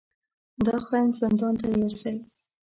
دا خاين زندان ته يوسئ!